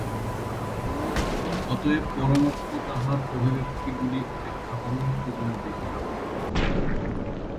অতএব পরমাত্মা তাঁহার অভিব্যক্তিগুলি অপেক্ষা অনন্তগুণে বৃহৎ।